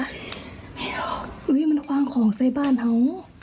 ไม่รู้อุ๊ยมันความของใส่บ้านเรา